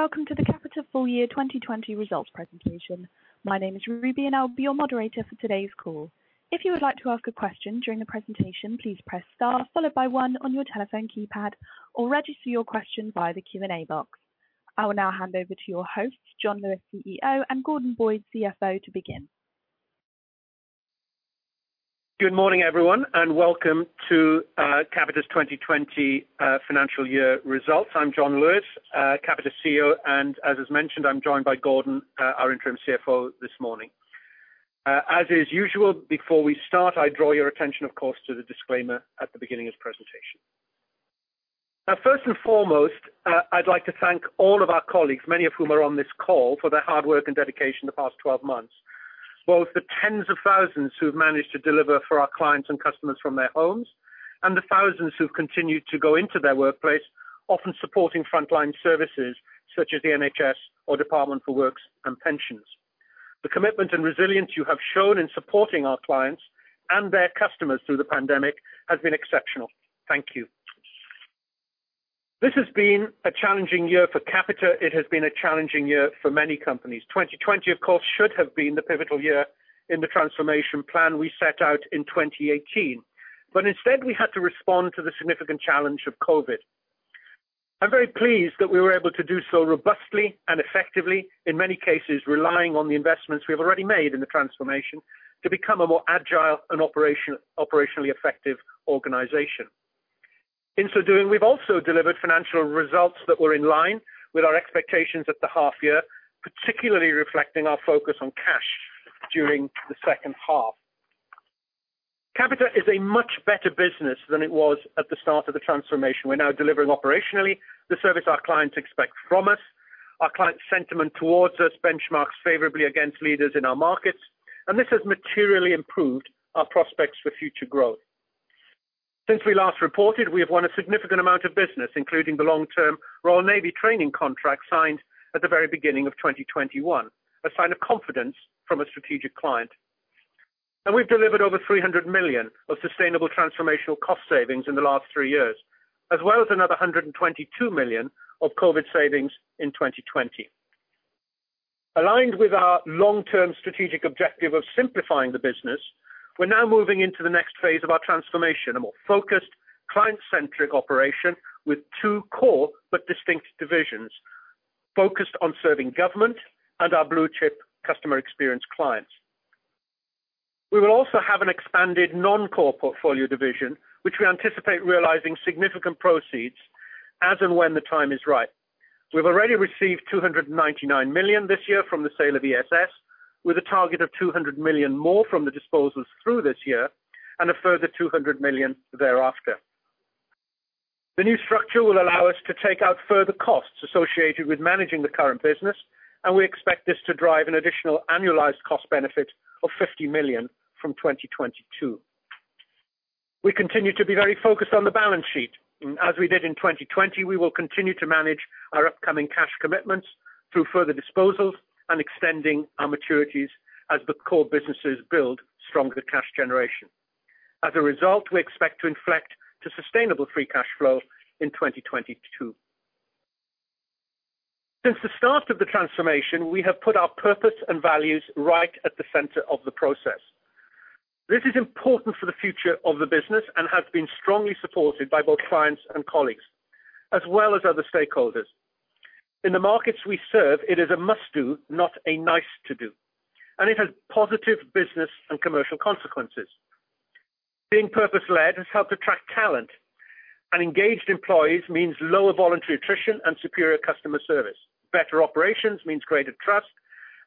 Welcome to the Capita full year 2020 results presentation. My name is Ruby. I'll be your moderator for today's call. If you would like to ask a question during the presentation, please press star followed by one on your telephone keypad, or register your question via the Q&A box. I will now hand over to your host, Jon Lewis, CEO, and Gordon Boyd, CFO, to begin. Good morning, everyone. Welcome to Capita's 2020 financial year results. I'm Jon Lewis, Capita CEO. As is mentioned, I'm joined by Gordon, our Interim CFO this morning. As is usual, before we start, I draw your attention, of course, to the disclaimer at the beginning of this presentation. First and foremost, I'd like to thank all of our colleagues, many of whom are on this call, for their hard work and dedication the past 12 months. Both the tens of thousands who've managed to deliver for our clients and customers from their homes, and the thousands who've continued to go into their workplace, often supporting frontline services such as the NHS or Department for Work and Pensions. The commitment and resilience you have shown in supporting our clients and their customers through the pandemic has been exceptional. Thank you. This has been a challenging year for Capita. It has been a challenging year for many companies. 2020, of course, should have been the pivotal year in the transformation plan we set out in 2018. Instead, we had to respond to the significant challenge of COVID. I'm very pleased that we were able to do so robustly and effectively, in many cases, relying on the investments we have already made in the transformation to become a more agile and operationally effective organization. In so doing, we've also delivered financial results that were in line with our expectations at the half-year, particularly reflecting our focus on cash during the second half. Capita is a much better business than it was at the start of the transformation. We're now delivering operationally the service our clients expect from us. Our client sentiment towards us benchmarks favorably against leaders in our markets, and this has materially improved our prospects for future growth. Since we last reported, we have won a significant amount of business, including the long-term Royal Navy training contract signed at the very beginning of 2021, a sign of confidence from a strategic client. We've delivered over 300 million of sustainable transformational cost savings in the last three years, as well as another 122 million of COVID savings in 2020. Aligned with our long-term strategic objective of simplifying the business, we're now moving into the next phase of our transformation, a more focused, client-centric operation with two core but distinct divisions focused on serving government and our blue-chip customer experience clients. We will also have an expanded non-core portfolio division, which we anticipate realizing significant proceeds as and when the time is right. We've already received 299 million this year from the sale of ESS, with a target of 200 million more from the disposals through this year and a further 200 million thereafter. The new structure will allow us to take out further costs associated with managing the current business. We expect this to drive an additional annualized cost benefit of 50 million from 2022. We continue to be very focused on the balance sheet. As we did in 2020, we will continue to manage our upcoming cash commitments through further disposals and extending our maturities as the core businesses build stronger cash generation. As a result, we expect to inflect to sustainable free cash flow in 2022. Since the start of the transformation, we have put our purpose and values right at the center of the process. This is important for the future of the business and has been strongly supported by both clients and colleagues, as well as other stakeholders. In the markets we serve, it is a must-do, not a nice to do, and it has positive business and commercial consequences. Being purpose-led has helped attract talent, and engaged employees means lower voluntary attrition and superior customer service. Better operations means greater trust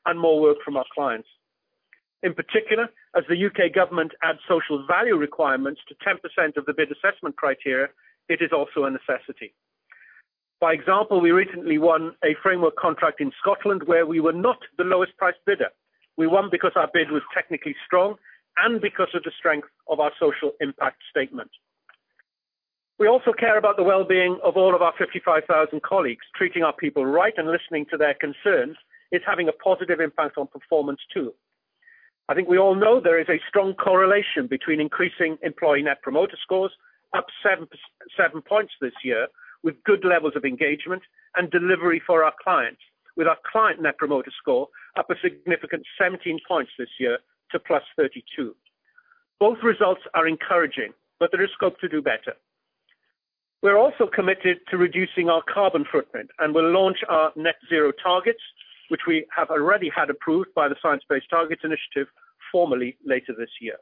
and more work from our clients. In particular, as the U.K. government adds social value requirements to 10% of the bid assessment criteria, it is also a necessity. By example, we recently won a framework contract in Scotland where we were not the lowest priced bidder. We won because our bid was technically strong and because of the strength of our social impact statement. We also care about the well-being of all of our 55,000 colleagues. Treating our people right and listening to their concerns is having a positive impact on performance, too. I think we all know there is a strong correlation between increasing employee Net Promoter Scores, up seven points this year, with good levels of engagement and delivery for our clients, with our client Net Promoter Score up a significant 17 points this year to +32. Both results are encouraging, but there is scope to do better. We're also committed to reducing our carbon footprint and will launch our net zero targets, which we have already had approved by the Science Based Targets initiative, formally later this year.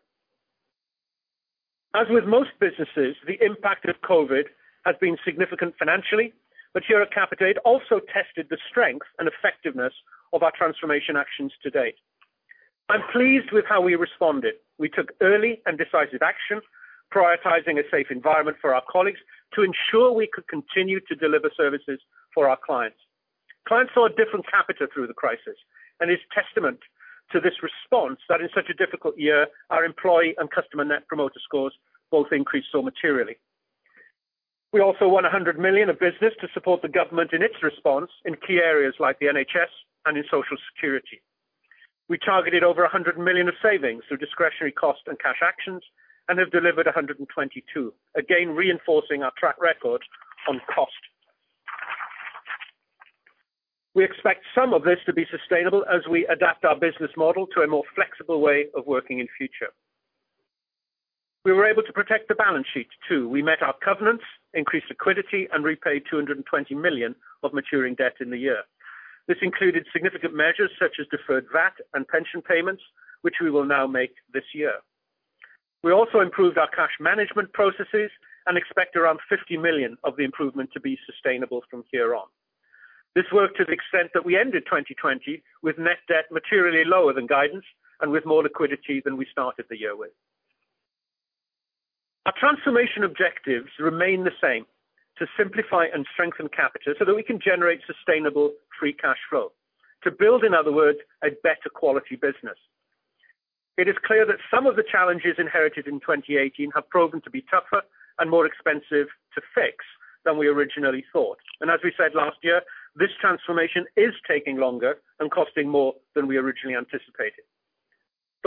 As with most businesses, the impact of COVID has been significant financially, but here at Capita, it also tested the strength and effectiveness of our transformation actions to date. I'm pleased with how we responded. We took early and decisive action, prioritizing a safe environment for our colleagues to ensure we could continue to deliver services for our clients. Clients saw a different Capita through the crisis, and it's testament to this response that in such a difficult year, our employee and customer Net Promoter Scores both increased so materially. We also won 100 million of business to support the government in its response in key areas like the NHS and in Social Security. We targeted over 100 million of savings through discretionary cost and cash actions and have delivered 122 million, again, reinforcing our track record on cost. We expect some of this to be sustainable as we adapt our business model to a more flexible way of working in future. We were able to protect the balance sheet too. We met our covenants, increased liquidity, and repaid 220 million of maturing debt in the year. This included significant measures such as deferred VAT and pension payments, which we will now make this year. We also improved our cash management processes and expect around 50 million of the improvement to be sustainable from here on. This worked to the extent that we ended 2020 with net debt materially lower than guidance and with more liquidity than we started the year with. Our transformation objectives remain the same, to simplify and strengthen Capita so that we can generate sustainable free cash flow. To build, in other words, a better quality business. It is clear that some of the challenges inherited in 2018 have proven to be tougher and more expensive to fix than we originally thought. As we said last year, this transformation is taking longer and costing more than we originally anticipated.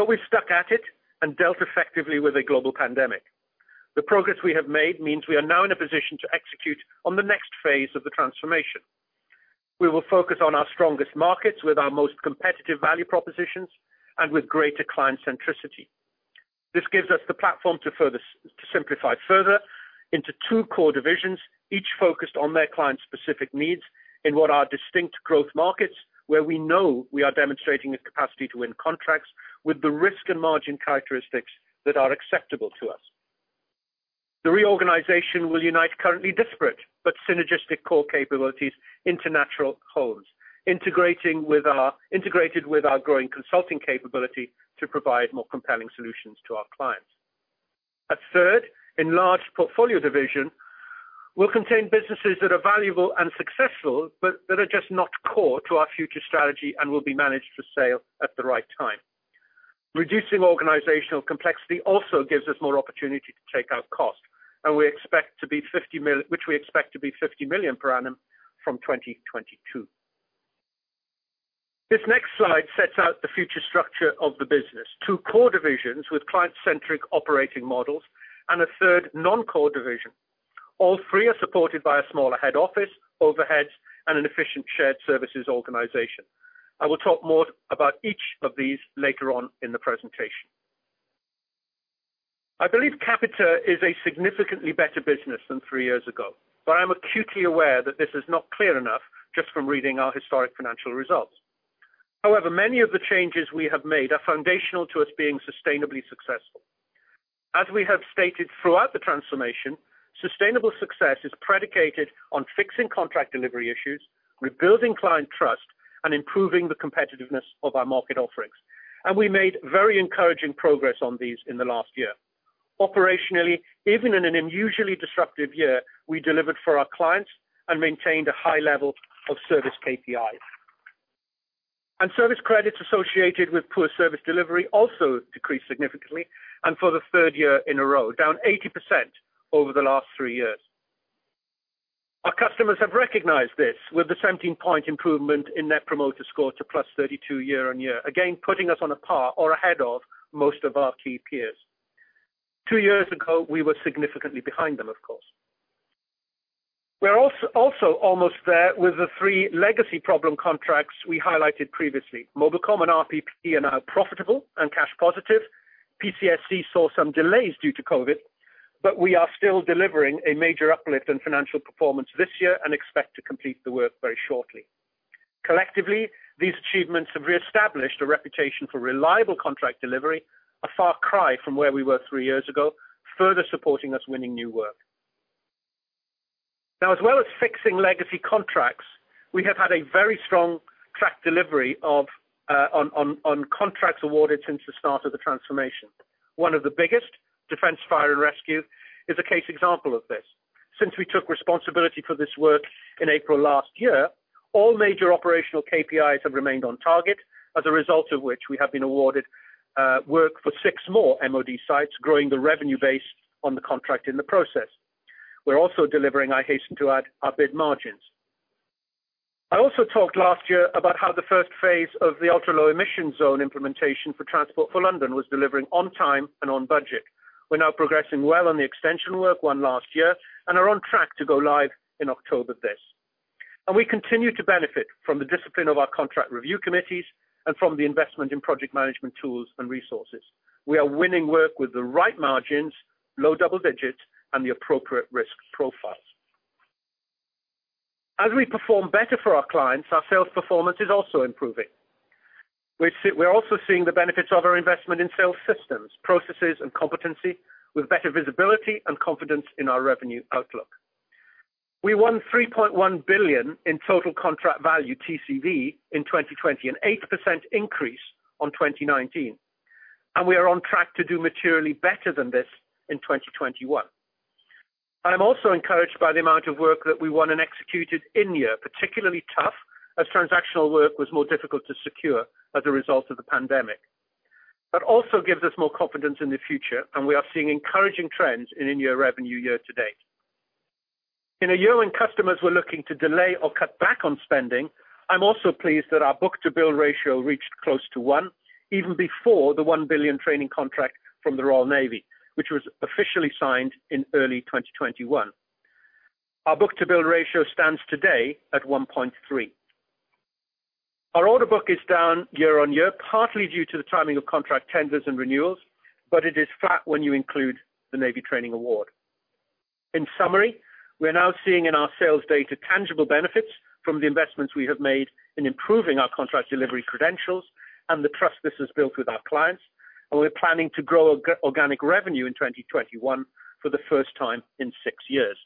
We've stuck at it and dealt effectively with a global pandemic. The progress we have made means we are now in a position to execute on the next phase of the transformation. We will focus on our strongest markets with our most competitive value propositions and with greater client centricity. This gives us the platform to simplify further into two core divisions, each focused on their client's specific needs in what are distinct growth markets, where we know we are demonstrating the capacity to win contracts with the risk and margin characteristics that are acceptable to us. The reorganization will unite currently disparate but synergistic core capabilities into natural homes, integrated with our growing consulting capability to provide more compelling solutions to our clients. A third enlarged portfolio division will contain businesses that are valuable and successful, but that are just not core to our future strategy and will be managed for sale at the right time. Reducing organizational complexity also gives us more opportunity to take out cost, which we expect to be 50 million per annum from 2022. This next slide sets out the future structure of the business. Two core divisions with client-centric operating models and a third non-core division. All three are supported by a smaller head office, overheads, and an efficient shared services organization. I will talk more about each of these later on in the presentation. I believe Capita is a significantly better business than three years ago, but I'm acutely aware that this is not clear enough just from reading our historic financial results. However, many of the changes we have made are foundational to us being sustainably successful. As we have stated throughout the transformation, sustainable success is predicated on fixing contract delivery issues, rebuilding client trust, and improving the competitiveness of our market offerings. We made very encouraging progress on these in the last year. Operationally, even in an unusually disruptive year, we delivered for our clients and maintained a high level of service KPIs. Service credits associated with poor service delivery also decreased significantly and for the third year in a row, down 80% over the last three years. Our customers have recognized this with a 17-point improvement in Net Promoter Score to +32 year on year. Putting us on a par or ahead of most of our key peers. Two years ago, we were significantly behind them, of course. We are also almost there with the three legacy problem contracts we highlighted previously. Mobilicom and RPP are now profitable and cash positive PCSE saw some delays due to COVID, we are still delivering a major uplift in financial performance this year and expect to complete the work very shortly. Collectively, these achievements have reestablished a reputation for reliable contract delivery, a far cry from where we were three years ago, further supporting us winning new work. As well as fixing legacy contracts, we have had a very strong track delivery on contracts awarded since the start of the transformation. One of the biggest, Defence, Fire, and Rescue, is a case example of this. Since we took responsibility for this work in April last year, all major operational KPIs have remained on target, as a result of which we have been awarded work for six more MOD sites, growing the revenue base on the contract in the process. We're also delivering, I hasten to add, at bid margins. I also talked last year about how the first phase of the Ultra Low Emission Zone implementation for Transport for London was delivering on time and on budget. We're now progressing well on the extension work won last year and are on track to go live in October this. We continue to benefit from the discipline of our contract review committees and from the investment in project management tools and resources. We are winning work with the right margins, low double digits, and the appropriate risk profiles. As we perform better for our clients, our sales performance is also improving. We're also seeing the benefits of our investment in sales systems, processes, and competency, with better visibility and confidence in our revenue outlook. We won 3.1 billion in Total Contract Value, TCV, in 2020, an 8% increase on 2019. We are on track to do materially better than this in 2021. I am also encouraged by the amount of work that we won and executed in-year, particularly tough as transactional work was more difficult to secure as a result of the pandemic. That also gives us more confidence in the future, and we are seeing encouraging trends in in-year revenue year to date. In a year when customers were looking to delay or cut back on spending, I'm also pleased that our book-to-bill ratio reached close to one, even before the 1 billion training contract from the Royal Navy, which was officially signed in early 2021. Our book-to-bill ratio stands today at 1.3. Our order book is down year-on-year, partly due to the timing of contract tenders and renewals, but it is flat when you include the Navy training award. In summary, we are now seeing in our sales data tangible benefits from the investments we have made in improving our contract delivery credentials and the trust this has built with our clients, and we're planning to grow organic revenue in 2021 for the first time in six years.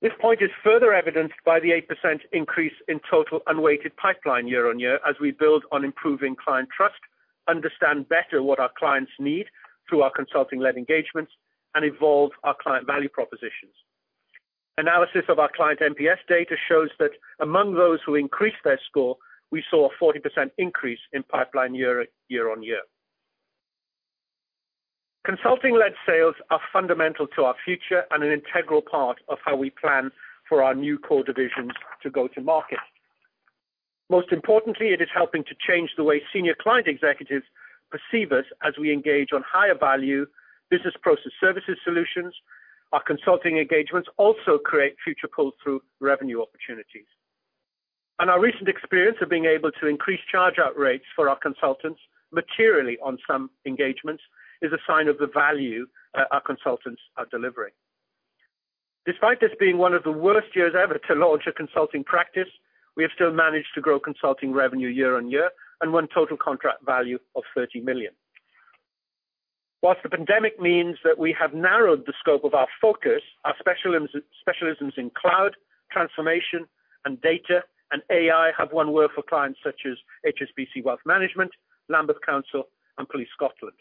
This point is further evidenced by the 8% increase in total unweighted pipeline year-on-year as we build on improving client trust, understand better what our clients need through our consulting-led engagements, and evolve our client value propositions. Analysis of our client NPS data shows that among those who increased their score, we saw a 40% increase in pipeline year-on-year. Consulting-led sales are fundamental to our future and an integral part of how we plan for our new core divisions to go to market. Most importantly, it is helping to change the way senior client executives perceive us as we engage on higher value business process services solutions. Our consulting engagements also create future pull-through revenue opportunities. Our recent experience of being able to increase charge-out rates for our consultants materially on some engagements is a sign of the value our consultants are delivering. Despite this being one of the worst years ever to launch a consulting practice, we have still managed to grow consulting revenue year-on-year and won total contract value of 30 million. The pandemic means that we have narrowed the scope of our focus, our specialisms in cloud transformation and data and AI have won work for clients such as HSBC Wealth Management, Lambeth Council, and Police Scotland.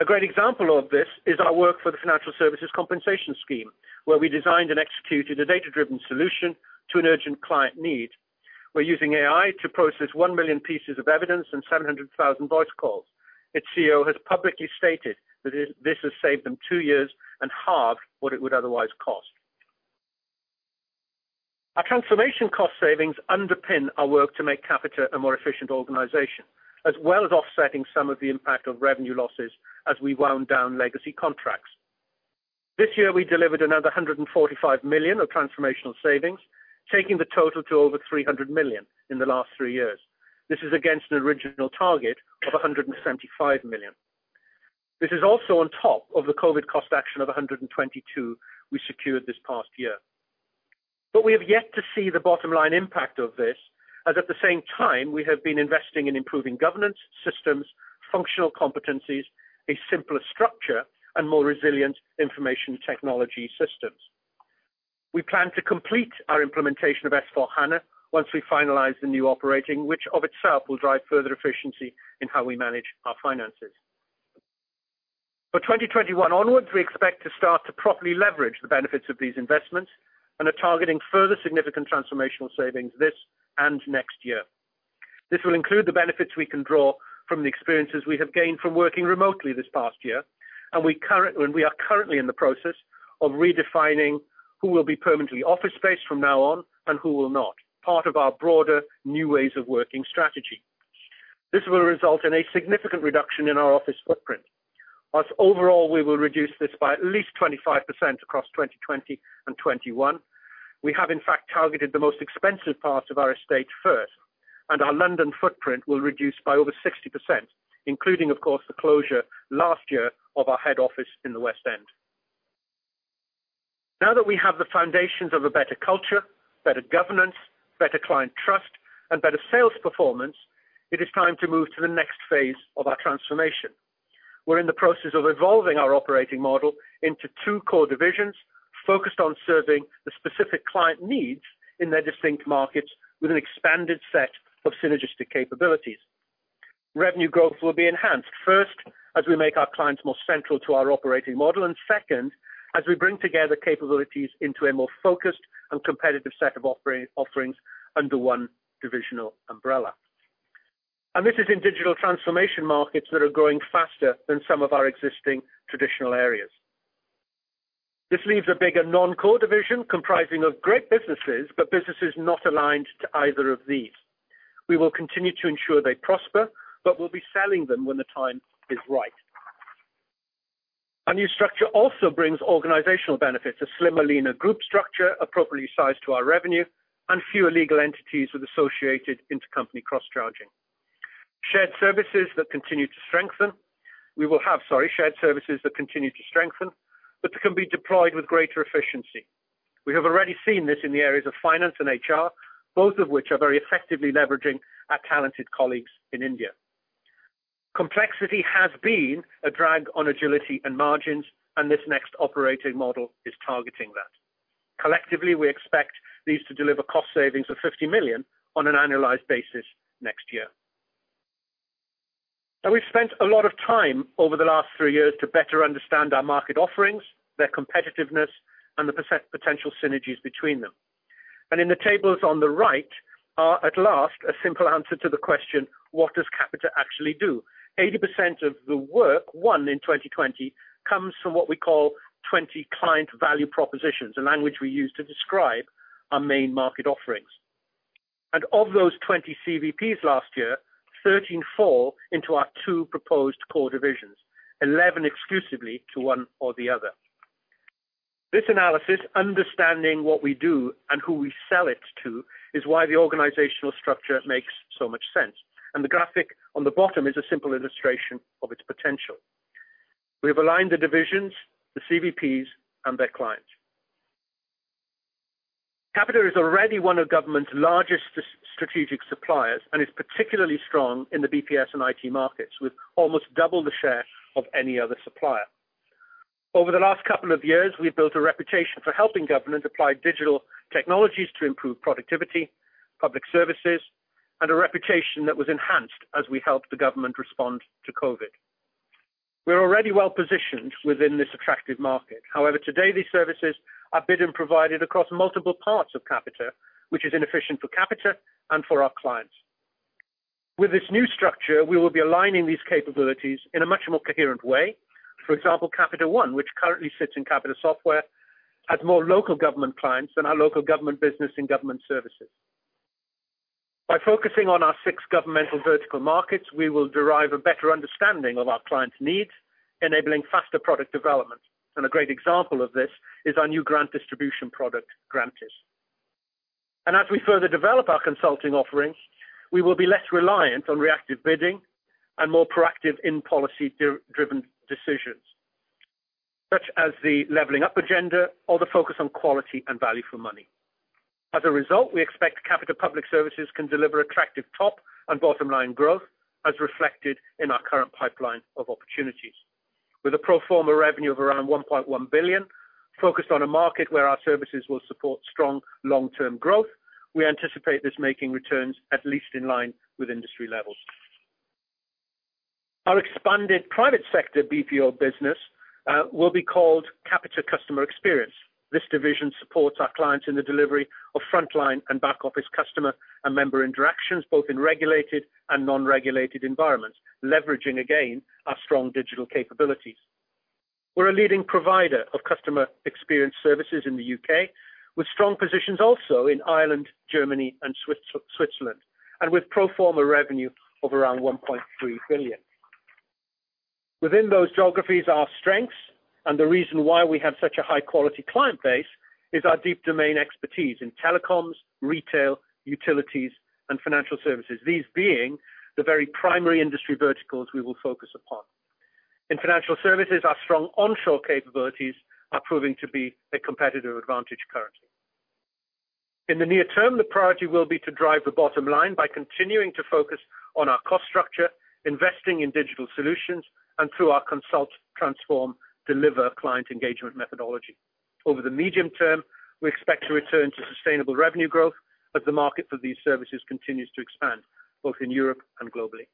A great example of this is our work for the Financial Services Compensation Scheme, where we designed and executed a data-driven solution to an urgent client need. We're using AI to process 1 million pieces of evidence and 700,000 voice calls. Its CEO has publicly stated that this has saved them two years and halved what it would otherwise cost. Our transformation cost savings underpin our work to make Capita a more efficient organization, as well as offsetting some of the impact of revenue losses as we wound down legacy contracts. This year, we delivered another 145 million of transformational savings, taking the total to over 300 million in the last three years. This is against an original target of 175 million. This is also on top of the COVID cost action of 122 million we secured this past year. We have yet to see the bottom line impact of this, as at the same time, we have been investing in improving governance systems, functional competencies, a simpler structure, and more resilient information technology systems. We plan to complete our implementation of S/4HANA once we finalize the new operating, which of itself will drive further efficiency in how we manage our finances. For 2021 onwards, we expect to start to properly leverage the benefits of these investments and are targeting further significant transformational savings this and next year. This will include the benefits we can draw from the experiences we have gained from working remotely this past year. We are currently in the process of redefining who will be permanently office-based from now on and who will not, part of our broader new ways of working strategy. This will result in a significant reduction in our office footprint. As overall, we will reduce this by at least 25% across 2020 and 2021. We have, in fact, targeted the most expensive parts of our estate first, and our London footprint will reduce by over 60%, including, of course, the closure last year of our head office in the West End. Now that we have the foundations of a better culture, better governance, better client trust, and better sales performance, it is time to move to the next phase of our transformation. We're in the process of evolving our operating model into two core divisions focused on serving the specific client needs in their distinct markets with an expanded set of synergistic capabilities. Revenue growth will be enhanced, first as we make our clients more central to our operating model, and second, as we bring together capabilities into a more focused and competitive set of offerings under one divisional umbrella. This is in digital transformation markets that are growing faster than some of our existing traditional areas. This leaves a bigger non-core division comprising of great businesses, but businesses not aligned to either of these. We will continue to ensure they prosper, but we'll be selling them when the time is right. Our new structure also brings organizational benefits, a slimmer, leaner group structure appropriately sized to our revenue, and fewer legal entities with associated intercompany cross-charging. We will have shared services that continue to strengthen, but that can be deployed with greater efficiency. We have already seen this in the areas of finance and HR, both of which are very effectively leveraging our talented colleagues in India. Complexity has been a drag on agility and margins, this next operating model is targeting that. Collectively, we expect these to deliver cost savings of 50 million on an annualized basis next year. We've spent a lot of time over the last three years to better understand our market offerings, their competitiveness, and the potential synergies between them. In the tables on the right are at last a simple answer to the question: what does Capita actually do? 80% of the work won in 2020 comes from what we call 20 client value propositions, a language we use to describe our main market offerings. Of those 20 CVPs last year, 13 fall into our two proposed core divisions, 11 exclusively to one or the other. This analysis, understanding what we do and who we sell it to, is why the organizational structure makes so much sense. The graphic on the bottom is a simple illustration of its potential. We've aligned the divisions, the CVPs, and their clients. Capita is already one of government's largest strategic suppliers and is particularly strong in the BPS and IT markets, with almost double the share of any other supplier. Over the last couple of years, we've built a reputation for helping government apply digital technologies to improve productivity, public services, and a reputation that was enhanced as we helped the government respond to COVID. We are already well-positioned within this attractive market. However, today these services are bid and provided across multiple parts of Capita, which is inefficient for Capita and for our clients. With this new structure, we will be aligning these capabilities in a much more coherent way. For example, Capita One, which currently sits in Capita Software, has more local government clients than our local government business in government services. By focusing on our six governmental vertical markets, we will derive a better understanding of our clients' needs, enabling faster product development. A great example of this is our new grant distribution product, Grantus. As we further develop our consulting offerings, we will be less reliant on reactive bidding and more proactive in policy-driven decisions, such as the levelling up agenda or the focus on quality and value for money. As a result, we expect Capita Public Service can deliver attractive top and bottom-line growth, as reflected in our current pipeline of opportunities. With a pro forma revenue of around 1.1 billion focused on a market where our services will support strong long-term growth, we anticipate this making returns at least in line with industry levels. Our expanded private sector BPO business will be called Capita Experience. This division supports our clients in the delivery of frontline and back-office customer and member interactions, both in regulated and non-regulated environments, leveraging, again, our strong digital capabilities. We're a leading provider of customer experience services in the U.K., with strong positions also in Ireland, Germany, and Switzerland, and with pro forma revenue of around 1.3 billion. Within those geographies, our strengths and the reason why we have such a high-quality client base is our deep domain expertise in telecoms, retail, utilities, and financial services, these being the very primary industry verticals we will focus upon. In financial services, our strong onshore capabilities are proving to be a competitive advantage currently. In the near term, the priority will be to drive the bottom line by continuing to focus on our cost structure, investing in digital solutions, and through our consult, transform, deliver client engagement methodology. Over the medium term, we expect to return to sustainable revenue growth as the market for these services continues to expand both in Europe and globally.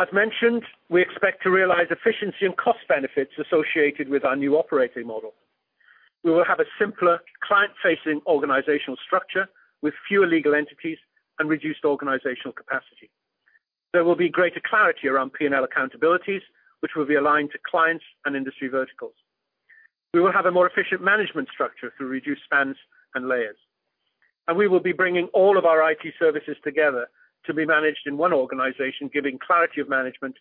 As mentioned, we expect to realize efficiency and cost benefits associated with our new operating model. We will have a simpler client-facing organizational structure with fewer legal entities and reduced organizational capacity. There will be greater clarity around P&L accountabilities, which will be aligned to clients and industry verticals. We will have a more efficient management structure through reduced spans and layers. We will be bringing all of our IT services together to be managed in one organization, giving clarity of management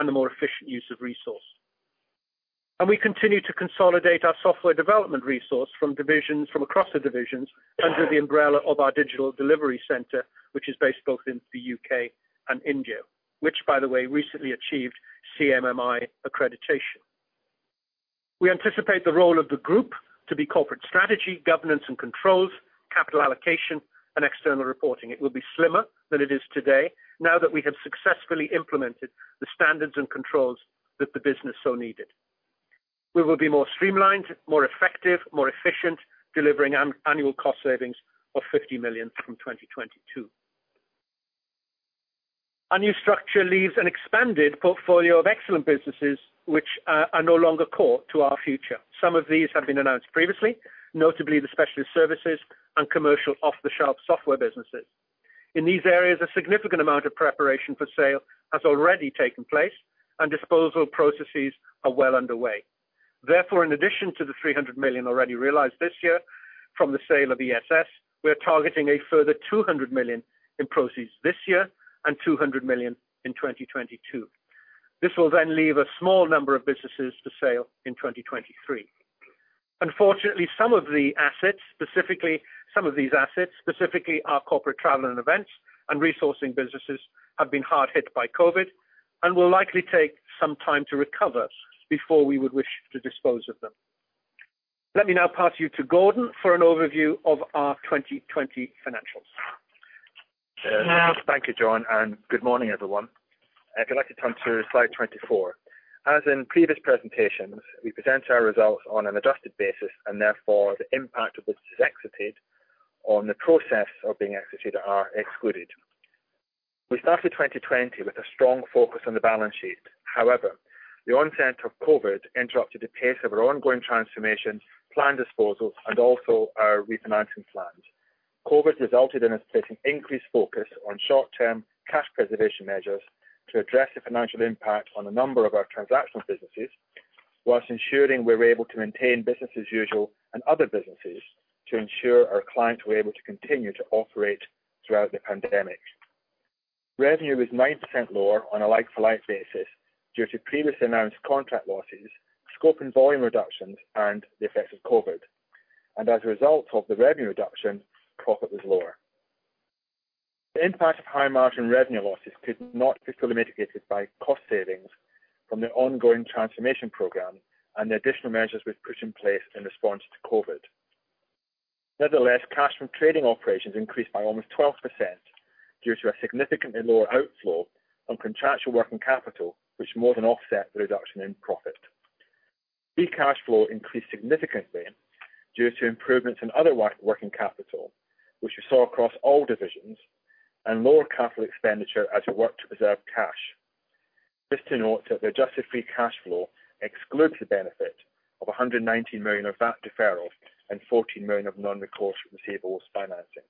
and a more efficient use of resource. We continue to consolidate our software development resource from across the divisions under the umbrella of our digital delivery center, which is based both in the U.K. and India, which, by the way, recently achieved CMMI accreditation. We anticipate the role of the group to be corporate strategy, governance and controls, capital allocation, and external reporting. It will be slimmer than it is today now that we have successfully implemented the standards and controls that the business so needed. We will be more streamlined, more effective, more efficient, delivering annual cost savings of 50 million from 2022. Our new structure leaves an expanded portfolio of excellent businesses which are no longer core to our future. Some of these have been announced previously, notably the specialist services and commercial off-the-shelf software businesses. In these areas, a significant amount of preparation for sale has already taken place, and disposal processes are well underway. In addition to the 300 million already realized this year from the sale of ESS, we are targeting a further 200 million in proceeds this year and 200 million in 2022. This will leave a small number of businesses for sale in 2023. Unfortunately, some of these assets, specifically our corporate travel and events and resourcing businesses, have been hard hit by COVID and will likely take some time to recover before we would wish to dispose of them. Let me now pass you to Gordon for an overview of our 2020 financials. Thank you, Jon, and good morning, everyone. If you'd like to turn to slide 24. As in previous presentations, we present our results on an adjusted basis, and therefore, the impact of what is exited or in the process of being exited are excluded. We started 2020 with a strong focus on the balance sheet. The onset of COVID interrupted the pace of our ongoing transformation, planned disposals, and also our refinancing plans. COVID resulted in us placing increased focus on short-term cash preservation measures to address the financial impact on a number of our transactional businesses, whilst ensuring we're able to maintain business as usual and other businesses to ensure our clients were able to continue to operate throughout the pandemic. Revenue was 9% lower on a like-for-like basis due to previously announced contract losses, scope and volume reductions, and the effects of COVID. As a result of the revenue reduction, profit was lower. The impact of high margin revenue losses could not be fully mitigated by cost savings from the ongoing transformation program and the additional measures we've put in place in response to COVID. Nevertheless, cash from trading operations increased by almost 12% due to a significantly lower outflow on contractual working capital, which more than offset the reduction in profit. Free cash flow increased significantly due to improvements in other working capital, which we saw across all divisions, and lower capital expenditure as we work to preserve cash. Just to note that the adjusted free cash flow excludes the benefit of 119 million of VAT deferrals and 14 million of non-recourse receivables financing.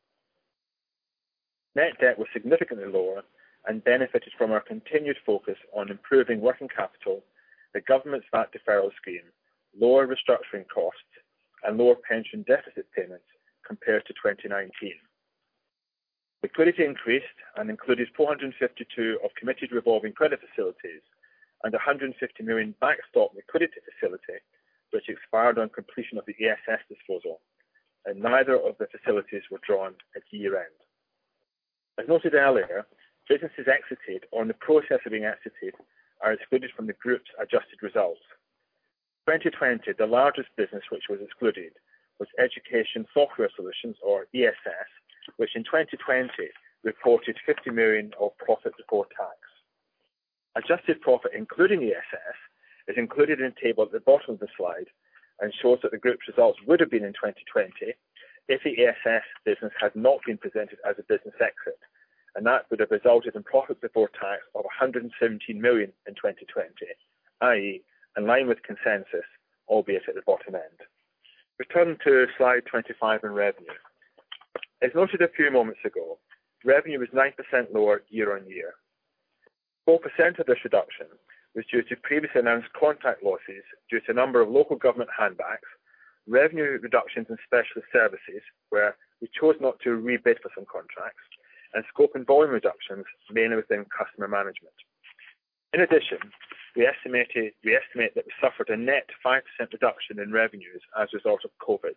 Net debt was significantly lower and benefited from our continued focus on improving working capital, the government's VAT Deferral Scheme, lower restructuring costs, and lower pension deficit payments compared to 2019. Liquidity increased and included 452 of committed revolving credit facilities and 150 million backstop liquidity facility, which expired on completion of the ESS disposal, and neither of the facilities were drawn at year-end. As noted earlier, businesses exited or in the process of being exited are excluded from the group's adjusted results. In 2020, the largest business which was excluded was Education Software Solutions, or ESS, which in 2020 reported 50 million of profit before tax. Adjusted profit, including ESS, is included in a table at the bottom of the slide and shows what the group's results would have been in 2020 if the ESS business had not been presented as a business exit. That would have resulted in profit before tax of 117 million in 2020, i.e., in line with consensus, albeit at the bottom end. We turn to Slide 25 on revenue. As noted a few moments ago, revenue was 9% lower year-over-year. 4% of this reduction was due to previously announced contract losses due to a number of local government handbacks, revenue reductions in specialist services, where we chose not to rebid for some contracts, and scope and volume reductions, mainly within customer management. In addition, we estimate that we suffered a net 5% reduction in revenues as a result of COVID,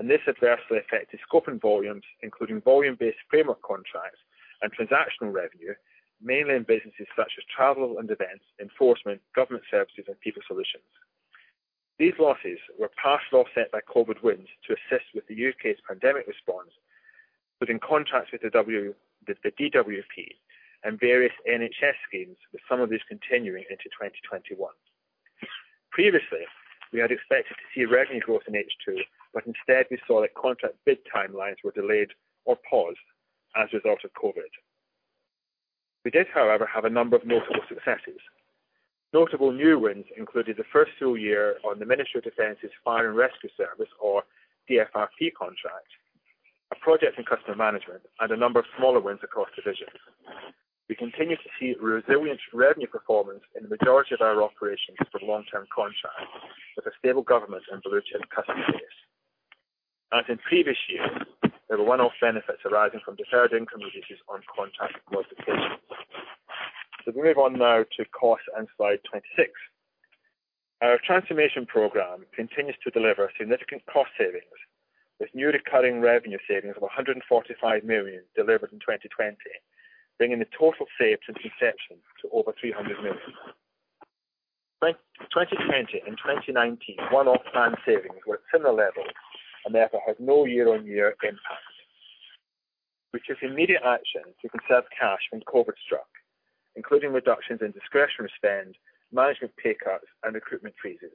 this adversely affected scope and volumes, including volume-based framework contracts and transactional revenue, mainly in businesses such as travel and events, enforcement, government services, and people solutions. These losses were partially offset by COVID wins to assist with the U.K.'s pandemic response, putting contracts with the DWP and various NHS schemes, with some of these continuing into 2021. Previously, we had expected to see revenue growth in H2, instead we saw that contract bid timelines were delayed or paused as a result of COVID. We did, however, have a number of notable successes. Notable new wins included the first full year on the Ministry of Defence's Fire and Rescue Service, or DFRS contract, a project in customer management, and a number of smaller wins across divisions. We continue to see resilient revenue performance in the majority of our operations with long-term contracts with a stable government and blue-chip customer base. As in previous years, there were one-off benefits arising from deferred income releases on contract modifications. We move on now to cost and Slide 26. Our transformation program continues to deliver significant cost savings with new recurring revenue savings of 145 million delivered in 2020, bringing the total saved since inception to over 300 million. 2020 and 2019 one-off planned savings were at similar levels and therefore had no year-on-year impact. We took immediate action to conserve cash when COVID struck, including reductions in discretionary spend, management pay cuts, and recruitment freezes.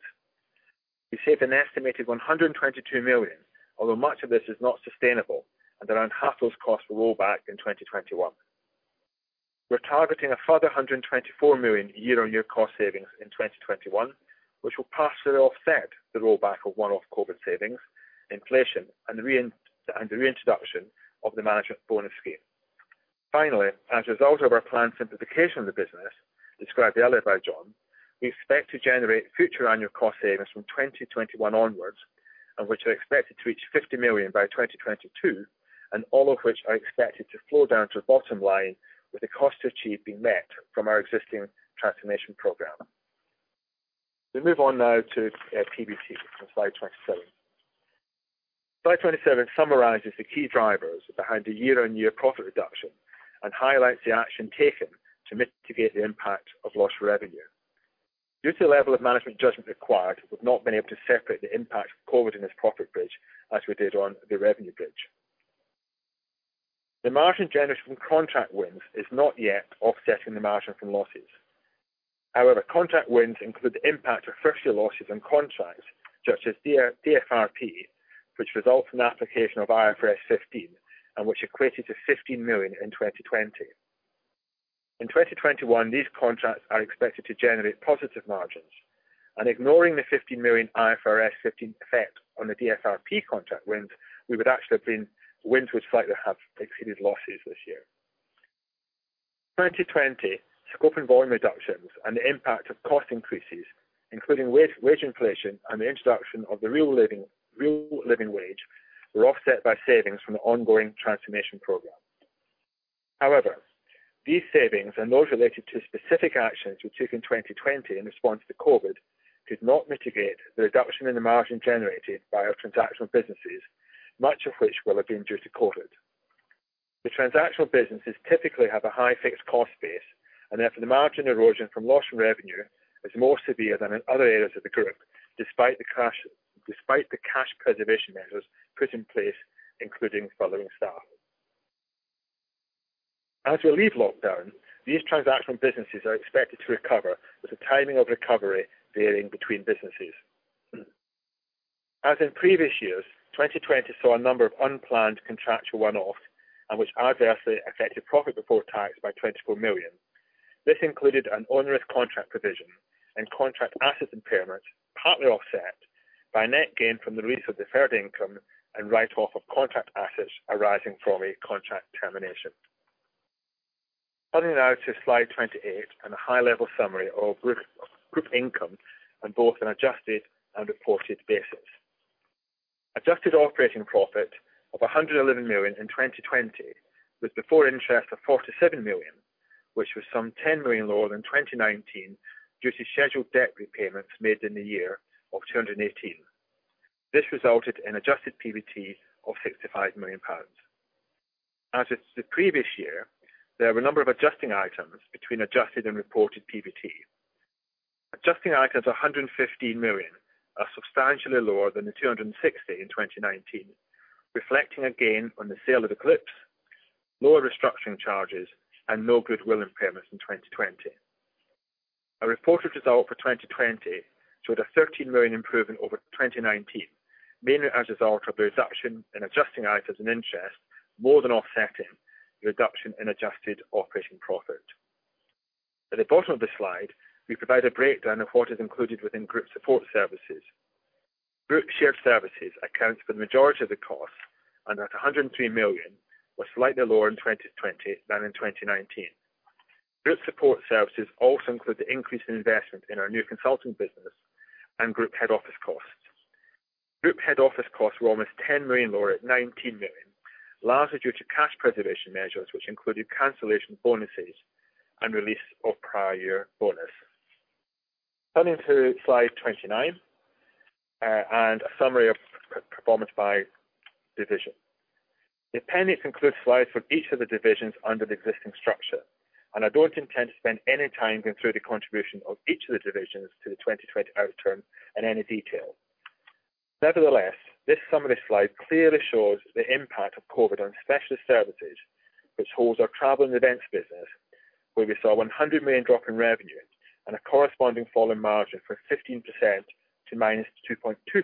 We saved an estimated 122 million, although much of this is not sustainable and around half those costs will roll back in 2021. We're targeting a further 124 million year-on-year cost savings in 2021, which will partially offset the rollback of one-off COVID savings, inflation, and the reintroduction of the management bonus scheme. Finally, as a result of our planned simplification of the business described earlier by Jon, we expect to generate future annual cost savings from 2021 onwards and which are expected to reach 50 million by 2022, and all of which are expected to flow down to the bottom line with the cost to achieve being met from our existing transformation program. We move on now to PBT on Slide 27. Slide 27 summarizes the key drivers behind the year-on-year profit reduction and highlights the action taken to mitigate the impact of lost revenue. Due to the level of management judgment required, we've not been able to separate the impact of COVID in this profit bridge as we did on the revenue bridge. The margin generated from contract wins is not yet offsetting the margin from losses. However, contract wins include the impact of first year losses and contracts such as DFRP, which results in application of IFRS 15 and which equated to 15 million in 2020. In 2021, these contracts are expected to generate positive margins, and ignoring the 15 million IFRS 15 effect on the DFRP contract wins, we would actually have been wins which slightly have exceeded losses this year. 2020 scope and volume reductions and the impact of cost increases, including wage inflation and the introduction of the Real Living Wage were offset by savings from the ongoing transformation program. However, these savings and those related to specific actions we took in 2020 in response to COVID, did not mitigate the reduction in the margin generated by our transactional businesses, much of which will have been due to COVID. The transactional businesses typically have a high fixed cost base, and therefore the margin erosion from loss from revenue is more severe than in other areas of the group, despite the cash preservation measures put in place, including furloughing staff. As we leave lockdown, these transactional businesses are expected to recover with the timing of recovery varying between businesses. As in previous years, 2020 saw a number of unplanned contractual one-offs and which adversely affected profit before tax by 24 million. This included an onerous contract provision and contract assets impairment, partly offset by net gain from the release of deferred income and write-off of contract assets arising from a contract termination. Turning now to slide 28 and a high-level summary of group income on both an adjusted and reported basis. Adjusted operating profit of 111 million in 2020, with before interest of 47 million, which was some 10 million lower than 2019 due to scheduled debt repayments made in the year of 218 million. This resulted in adjusted PBT of 65 million pounds. As with the previous year, there were a number of adjusting items between adjusted and reported PBT. Adjusting items 115 million are substantially lower than the 260 million in 2019, reflecting again on the sale of Eclipse, lower restructuring charges and no goodwill impairments in 2020. Our reported result for 2020 showed a 13 million improvement over 2019, mainly as a result of the reduction in adjusting items and interest more than offsetting the reduction in adjusted operating profit. At the bottom of the slide, we provide a breakdown of what is included within Group support services. Group Shared Services accounts for the majority of the cost, and at 103 million was slightly lower in 2020 than in 2019. Group support services also include the increase in investment in our new consulting business and group head office costs. Group head office costs were almost 10 million lower at 19 million, largely due to cash preservation measures which included cancellation bonuses and release of prior year bonus. Turning to slide 29, and a summary of performance by division. The appendix includes slides for each of the divisions under the existing structure, and I don't intend to spend any time going through the contribution of each of the divisions to the 2020 outturn in any detail. Nevertheless, this summary slide clearly shows the impact of COVID on specialist services, which holds our travel and events business, where we saw 100 million drop in revenue and a corresponding fall in margin from 15% to -2.2%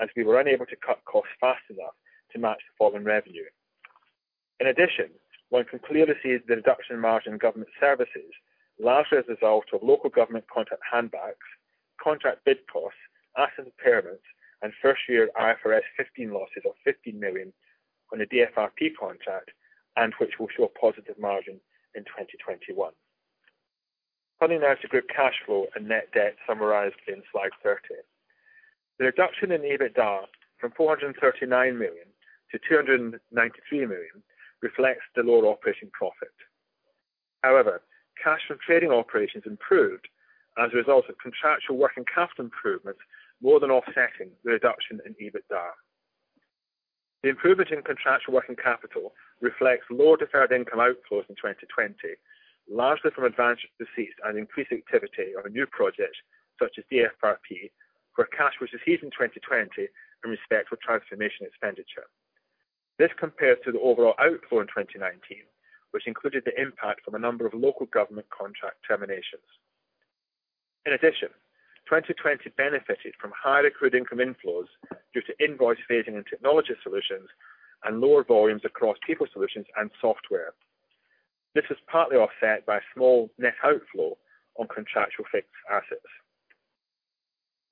as we were unable to cut costs fast enough to match the fall in revenue. In addition, one can clearly see the reduction in margin in government services, largely as a result of local government contract handbacks, contract bid costs, asset impairments, and first year IFRS 15 losses of 15 million on the DFRP contract and which will show a positive margin in 2021. Turning now to group cash flow and net debt summarized in slide 30. The reduction in EBITDA from 439 million to 293 million reflects the lower operating profit. Cash from trading operations improved as a result of contractual working capital improvements more than offsetting the reduction in EBITDA. The improvement in contractual working capital reflects lower deferred income outflows in 2020, largely from advanced receipts and increased activity on a new project such as DFRP, where cash was received in 2020 in respect of transformation expenditure. This compares to the overall outflow in 2019, which included the impact from a number of local government contract terminations. 2020 benefited from higher accrued income inflows due to invoice phasing and technology solutions and lower volumes across people solutions and software. This was partly offset by a small net outflow on contractual fixed assets.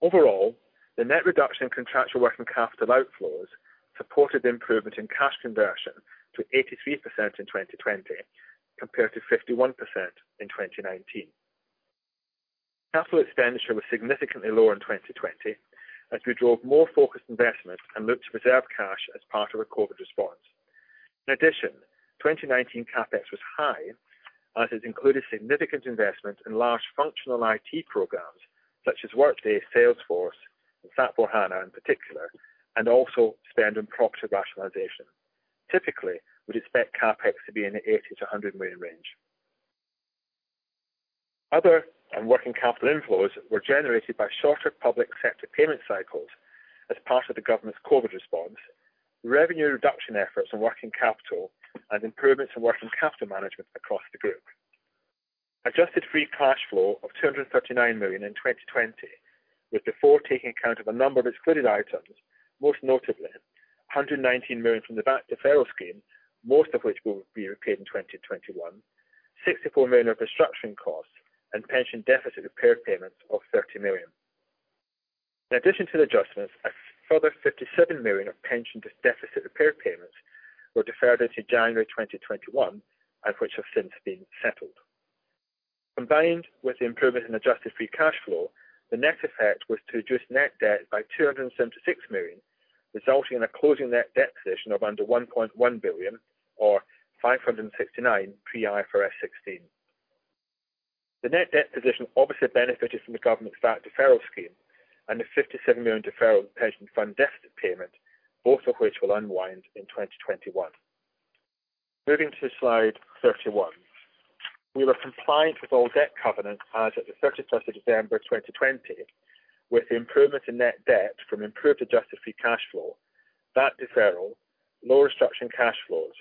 Overall, the net reduction in contractual working capital outflows supported the improvement in cash conversion to 83% in 2020 compared to 51% in 2019. Capital expenditure was significantly lower in 2020 as we drove more focused investment and looked to preserve cash as part of a COVID response. In addition, 2019 CapEx was high, as it included significant investment in large functional IT programs such as Workday, Salesforce, and SAP HANA in particular, and also spend on property rationalization. Typically, we'd expect CapEx to be in the 80 million-100 million range. Other working capital inflows were generated by shorter public sector payment cycles as part of the government's COVID response, revenue reduction efforts on working capital and improvements in working capital management across the group. Adjusted free cash flow of 239 million in 2020, with before taking account of a number of excluded items, most notably 119 million from the VAT Deferral Scheme, most of which will be repaid in 2021. 64 million of restructuring costs and pension deficit repair payments of 30 million. In addition to the adjustments, a further 57 million of pension deficit repair payments were deferred into January 2021, and which have since been settled. Combined with the improvement in adjusted free cash flow, the net effect was to reduce net debt by 276 million, resulting in a closing net debt position of under 1.1 billion or 569 pre IFRS 16. The net debt position obviously benefited from the government's VAT Deferral Scheme and the 57 million deferral pension fund deficit payment, both of which will unwind in 2021. Moving to slide 31. We were compliant with all debt covenants as at the 31st of December 2020, with the improvement in net debt from improved adjusted free cash flow, VAT deferral, lower structuring cash flows,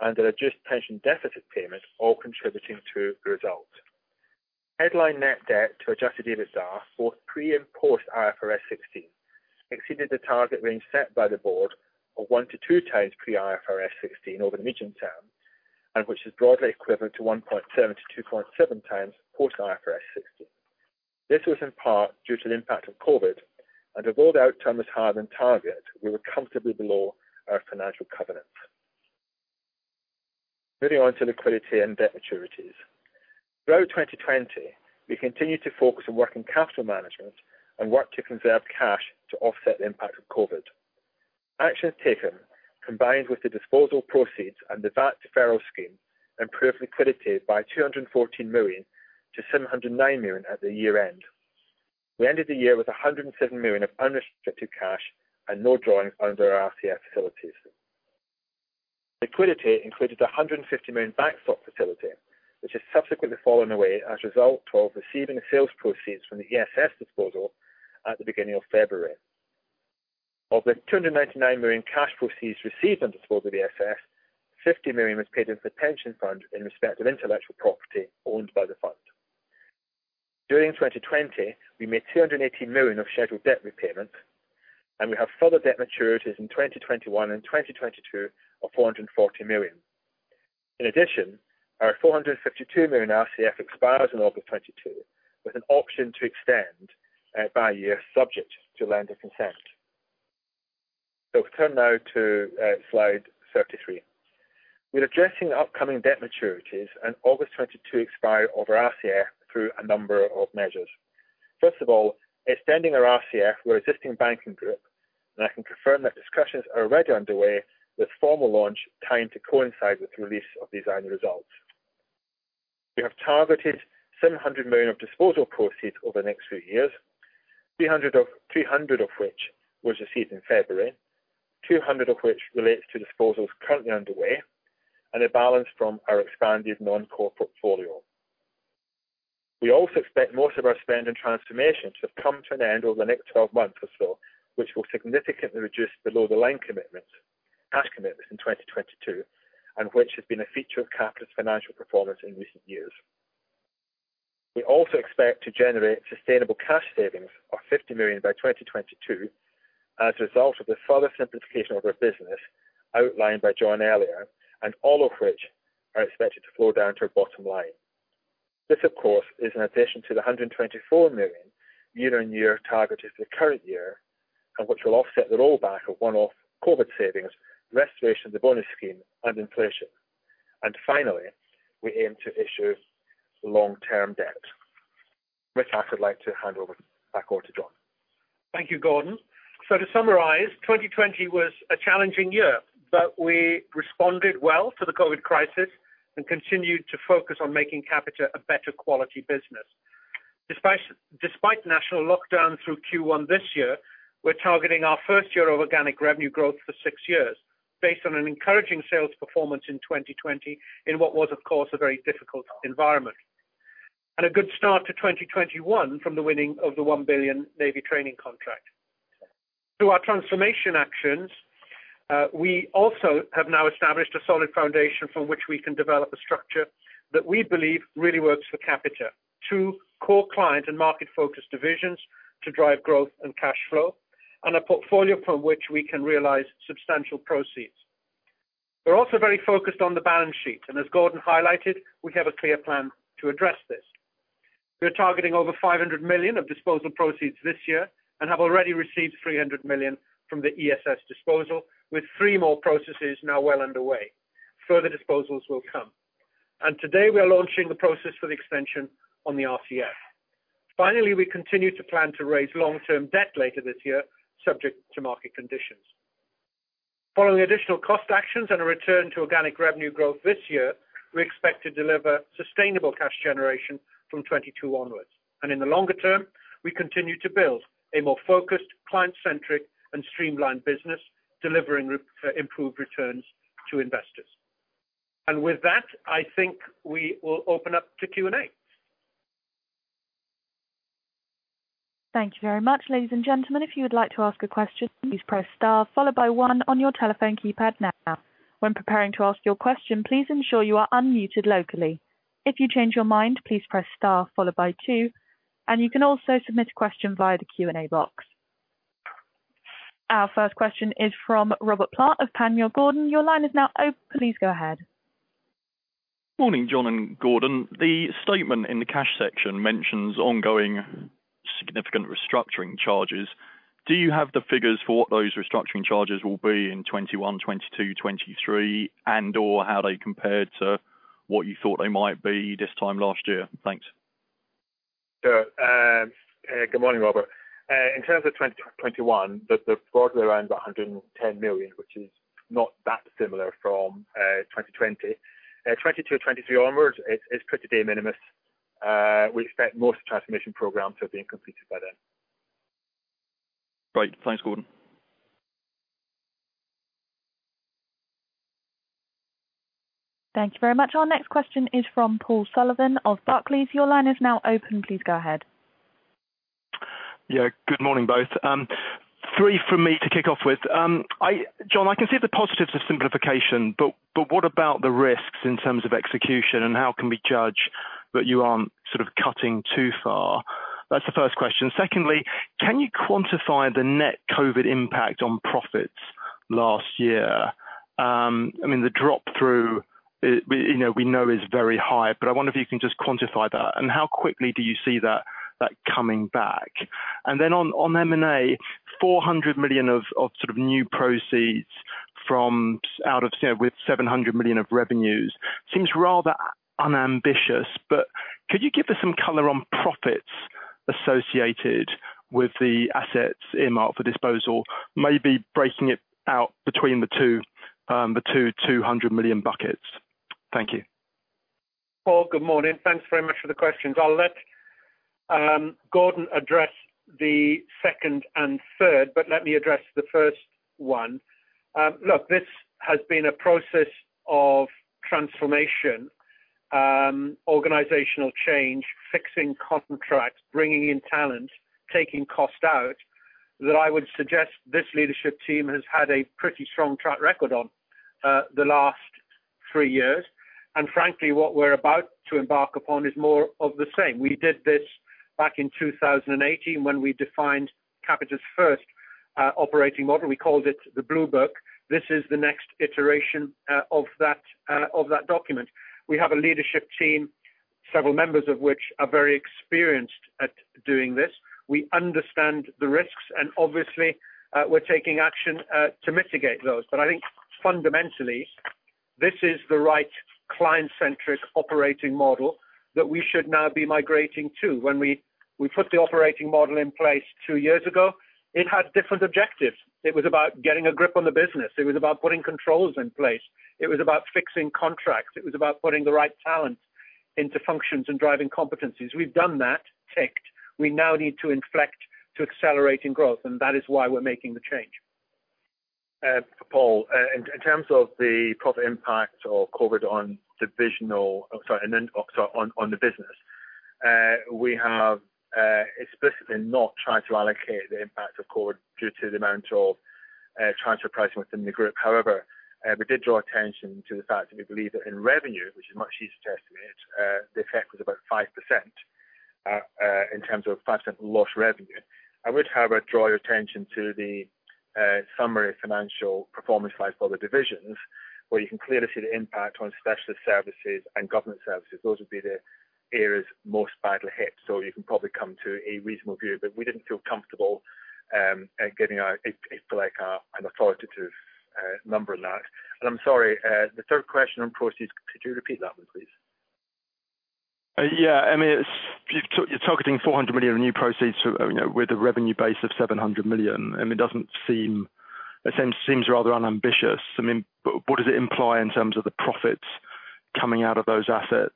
and a reduced pension deficit payment, all contributing to the result. Headline net debt to adjusted EBITDA, both pre and post IFRS 16 exceeded the target range set by the board of 1x to 2x pre IFRS 16 over the medium term. Which is broadly equivalent to 1.7x to 2.7x Post IFRS 16. This was in part due to the impact of COVID. Although the outcome is higher than target, we were comfortably below our financial covenants. Moving on to liquidity and debt maturities. Throughout 2020, we continued to focus on working capital management and work to conserve cash to offset the impact of COVID. Actions taken, combined with the disposal proceeds and the VAT Deferral Scheme, improved liquidity by GBP 214 million to GBP 709 million at the year-end. We ended the year with GBP 107 million of unrestricted cash and no drawings under our RCF facilities. Liquidity included 150 million backstop facility, which has subsequently fallen away as a result of receiving the sales proceeds from the ESS disposal at the beginning of February. Of the 299 million cash proceeds received on disposal of ESS, 50 million was paid into the pension fund in respect of intellectual property owned by the fund. During 2020, we made 218 million of scheduled debt repayments. We have further debt maturities in 2021 and 2022 of 440 million. In addition, our 452 million RCF expires in August 2022, with an option to extend by a year subject to lender consent. We turn now to slide 33. We're addressing upcoming debt maturities and August 2022 expiry of our RCF through a number of measures. First of all, extending our RCF with our existing banking group. I can confirm that discussions are already underway with formal launch timed to coincide with the release of these annual results. We have targeted 700 million of disposal proceeds over the next few years, 300 million of which was received in February, 200 million of which relates to disposals currently underway, and a balance from our expanded non-core portfolio. We also expect most of our spend in transformation to have come to an end over the next 12 months or so, which will significantly reduce below-the-line commitments, cash commitments in 2022, and which has been a feature of Capita's financial performance in recent years. We also expect to generate sustainable cash savings of 50 million by 2022 as a result of the further simplification of our business outlined by Jon earlier, and all of which are expected to flow down to our bottom line. This, of course, is in addition to the 124 million year-on-year target of the current year and which will offset the rollback of one-off COVID savings, restoration of the bonus scheme and inflation. Finally, we aim to issue long-term debt. With that, I would like to hand back over to Jon. Thank you, Gordon. To summarize, 2020 was a challenging year, but we responded well to the COVID crisis and continued to focus on making Capita a better quality business. Despite national lockdown through Q1 this year, we're targeting our first year of organic revenue growth for six years based on an encouraging sales performance in 2020 in what was, of course, a very difficult environment. A good start to 2021 from the winning of the GBP 1 billion Navy training contract. Through our transformation actions, we also have now established a solid foundation from which we can develop a structure that we believe really works for Capita. Two core client and market-focused divisions to drive growth and cash flow, a portfolio from which we can realize substantial proceeds. We're also very focused on the balance sheet, as Gordon highlighted, we have a clear plan to address this. We are targeting over 500 million of disposal proceeds this year and have already received 300 million from the ESS disposal, with three more processes now well underway. Further disposals will come. Today we are launching the process for the extension on the RCF. Finally, we continue to plan to raise long-term debt later this year, subject to market conditions. Following additional cost actions and a return to organic revenue growth this year, we expect to deliver sustainable cash generation from 2022 onwards. In the longer term, we continue to build a more focused, client-centric and streamlined business, delivering improved returns to investors. With that, I think we will open up to Q&A. Thank you very much. Ladies and gentlemen, if you would like to ask a question, please press star followed by one on your telephone keypad now. When preparing to ask your question, please ensure you are unmuted locally. If you change your mind, please press star followed by two, and you can also submit a question via the Q&A box. Our first question is from Robert Plant of Panmure Gordon. Your line is now open. Please go ahead. Morning, Jon and Gordon. The statement in the cash section mentions ongoing significant restructuring charges. Do you have the figures for what those restructuring charges will be in 2021, 2022, 2023, and/or how they compare to what you thought they might be this time last year? Thanks. Sure. Good morning, Robert. In terms of 2021, they're broadly around the 110 million, which is not that similar from 2020. 2022, 2023 onwards, it's pretty de minimis. We expect most of the transformation program to have been completed by then. Great. Thanks, Gordon. Thank you very much. Our next question is from Paul Sullivan of Barclays. Your line is now open. Please go ahead. Yeah. Good morning, both. Three from me to kick off with. Jon, I can see the positives of simplification, what about the risks in terms of execution, how can we judge that you aren't sort of cutting too far? That's the first question. Secondly, can you quantify the net COVID impact on profits last year? I mean, the drop-through we know is very high, I wonder if you can just quantify that, how quickly do you see that coming back? On M&A, 400 million of sort of new proceeds with 700 million of revenues seems rather unambitious, could you give us some color on profits associated with the assets earmarked for disposal, maybe breaking it out between the two 200 million buckets? Thank you. Paul, good morning. Thanks very much for the questions. I'll let Gordon address the second and third, but let me address the first one. Look, this has been a process of transformation, organizational change, fixing contracts, bringing in talent, taking cost out, that I would suggest this leadership team has had a pretty strong track record on the last three years. Frankly, what we're about to embark upon is more of the same. We did this back in 2018 when we defined Capita's first operating model. We called it the Blue Book. This is the next iteration of that document. We have a leadership team, several members of which are very experienced at doing this. We understand the risks and obviously, we're taking action to mitigate those. I think fundamentally, this is the right client-centric operating model that we should now be migrating to. When we put the operating model in place two years ago, it had different objectives. It was about getting a grip on the business. It was about putting controls in place. It was about fixing contracts. It was about putting the right talent into functions and driving competencies. We've done that, ticked. We now need to inflect to accelerating growth, and that is why we're making the change. Paul, in terms of the profit impact of COVID on the business, we have explicitly not tried to allocate the impact of COVID due to the amount of transfer pricing within the group. We did draw attention to the fact that we believe that in revenue, which is much easier to estimate, the effect was about 5% in terms of 5% lost revenue. I would, however, draw your attention to the summary financial performance slides for the divisions, where you can clearly see the impact on specialist services and government services. Those would be the areas most badly hit. You can probably come to a reasonable view, but we didn't feel comfortable giving out an authoritative number on that. I'm sorry, the third question on proceeds, could you repeat that one, please? Yeah. You're targeting 400 million of new proceeds with a revenue base of 700 million. It seems rather unambitious. What does it imply in terms of the profits coming out of those assets?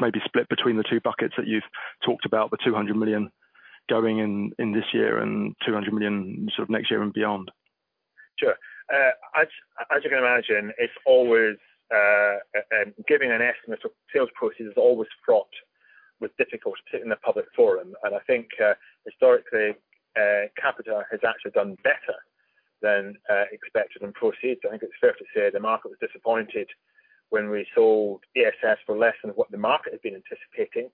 Maybe split between the two buckets that you've talked about, the 200 million going in this year and 200 million sort of next year and beyond. Sure. As you can imagine, giving an estimate of sales proceeds is always fraught with difficulty in a public forum. I think historically, Capita has actually done better than expected on proceeds. I think it's fair to say the market was disappointed when we sold ESS for less than what the market had been anticipating.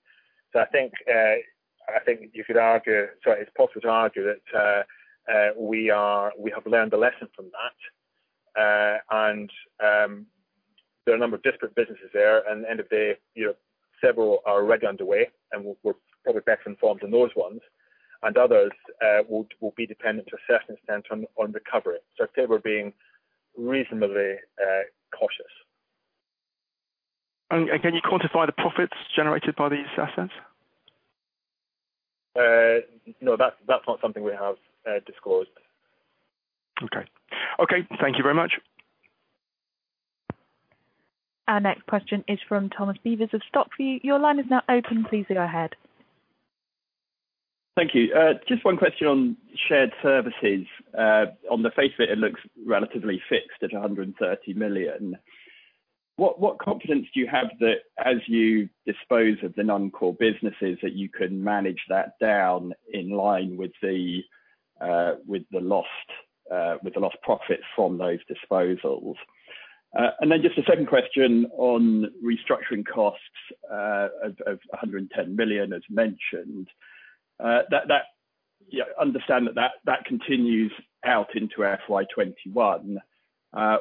I think it's possible to argue that we have learned a lesson from that. There are a number of disparate businesses there, and at the end of the day, several are already underway and we're probably best informed on those ones, and others will be dependent to a certain extent on recovery. I'd say we're being reasonably cautious. Can you quantify the profits generated by these assets? No, that's not something we have disclosed. Okay. Thank you very much. Our next question is from Tom Beevers of StockViews. Your line is now open. Please go ahead. Thank you. Just one question on shared services. On the face of it looks relatively fixed at 130 million. What confidence do you have that as you dispose of the non-core businesses, that you can manage that down in line with the lost profits from those disposals? Then just a second question on restructuring costs of 110 million as mentioned. I understand that continues out into FY 2021. I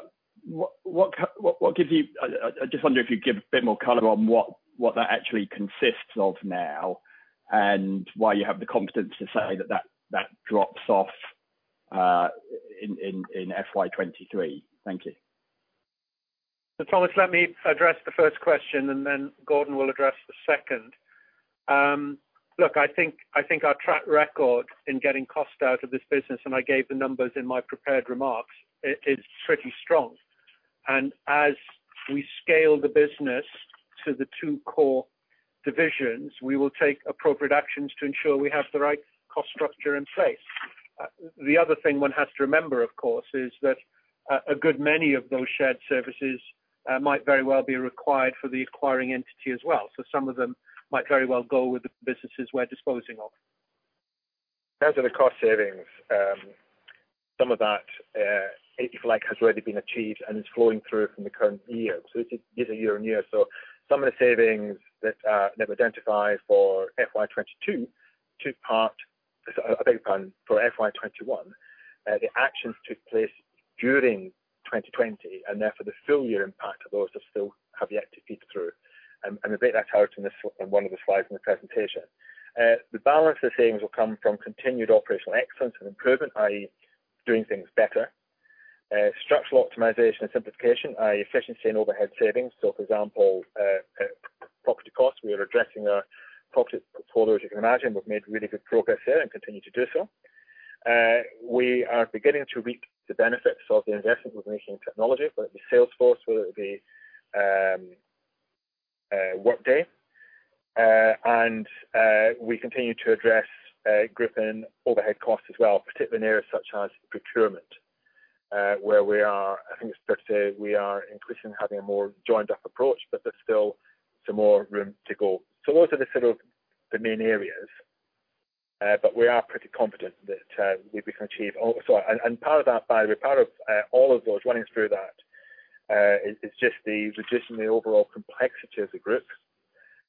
just wonder if you'd give a bit more color on what that actually consists of now, and why you have the confidence to say that drops off in FY 2023. Thank you. Tom, let me address the first question. Gordon will address the second. I think our track record in getting cost out of this business, and I gave the numbers in my prepared remarks, is pretty strong. As we scale the business to the two core divisions, we will take appropriate actions to ensure we have the right cost structure in place. The other thing one has to remember, of course, is that a good many of those shared services might very well be required for the acquiring entity as well. Some of them might very well go with the businesses we're disposing of. As for the cost savings, some of that, if you like, has already been achieved and is flowing through from the current year. It is a year-on-year. Some of the savings that we've identified for FY 2022 took part, I beg your pardon, for FY 2021. The actions took place during 2020. Therefore, the full year impact of those are still have yet to feed through. I laid that out in one of the slides in the presentation. The balance, the savings will come from continued operational excellence and improvement, i.e., doing things better. Structural optimization and simplification, i.e., efficiency and overhead savings. For example, property costs. We are addressing our property portfolio, as you can imagine. We've made really good progress there and continue to do so. We are beginning to reap the benefits of the investment we're making in technology, whether it be Salesforce, whether it be Workday. We continue to address group and overhead costs as well, particularly in areas such as procurement, where we are, I think it's fair to say, we are increasingly having a more joined-up approach, but there's still some more room to go. Those are the sort of the main areas. We are pretty confident that we can achieve. Part of that, by the way, part of all of those, running through that, is just the reducing the overall complexity of the group,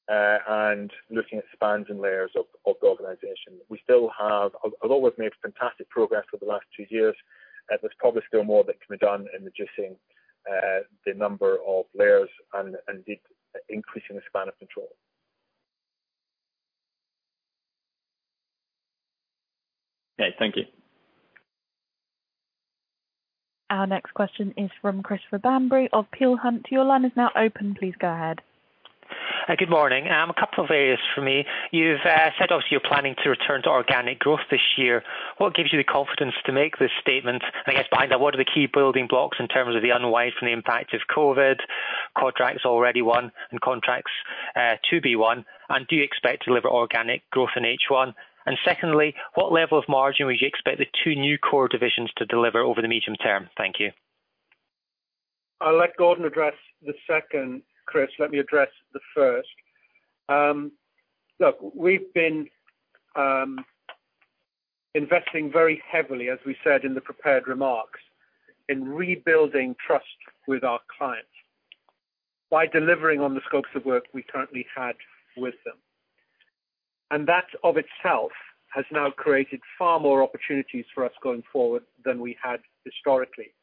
and looking at spans and layers of the organization. Although we've made fantastic progress over the last two years, there's probably still more that can be done in reducing the number of layers and indeed increasing the span of control. Okay. Thank you. Our next question is from Christopher Bamberry of Peel Hunt. Your line is now open. Please go ahead. Good morning. A couple of areas for me. You've said obviously you're planning to return to organic growth this year. What gives you the confidence to make this statement? I guess behind that, what are the key building blocks in terms of the unwinds from the impact of COVID, contracts already won and contracts to be won? Do you expect to deliver organic growth in H1? Secondly, what level of margin would you expect the two new core divisions to deliver over the medium term? Thank you. I'll let Gordon address the second, Chris. Let me address the first. Look, we've been investing very heavily, as we said in the prepared remarks, in rebuilding trust with our clients by delivering on the scopes of work we currently had with them. That of itself has now created far more opportunities for us going forward than we had historically.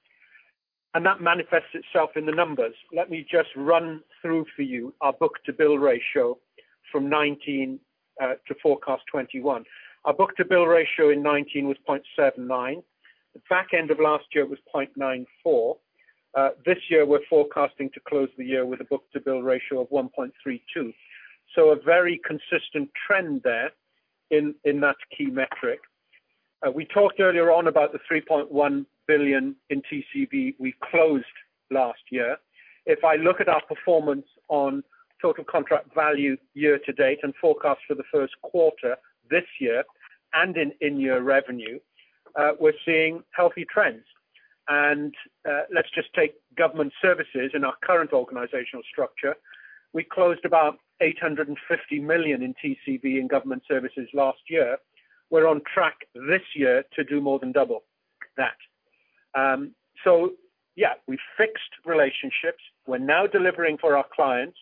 That manifests itself in the numbers. Let me just run through for you our book-to-bill ratio from 2019 to forecast 2021. Our book-to-bill ratio in 2019 was 0.79. The back end of last year, it was 0.94. This year, we're forecasting to close the year with a book-to-bill ratio of 1.32. A very consistent trend there in that key metric. We talked earlier on about the 3.1 billion in TCV we closed last year. If I look at our performance on total contract value year to date and forecast for the first quarter this year and in in-year revenue, we're seeing healthy trends. Let's just take government services in our current organizational structure. We closed about 850 million in TCV in government services last year. We're on track this year to do more than double that. Yeah, we've fixed relationships. We're now delivering for our clients.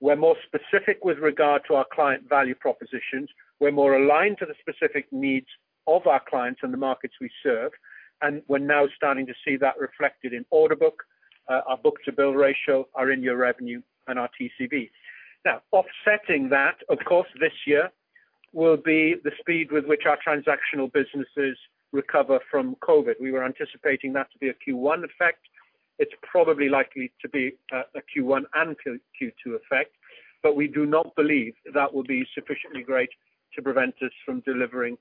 We're more specific with regard to our Client Value Propositions. We're more aligned to the specific needs of our clients and the markets we serve. We're now starting to see that reflected in order book, our book-to-bill ratio, our in-year revenue, and our TCV. Offsetting that, of course, this year will be the speed with which our transactional businesses recover from COVID. We were anticipating that to be a Q1 effect. It's probably likely to be a Q1 and Q2 effect. We do not believe that will be sufficiently great to prevent us from delivering,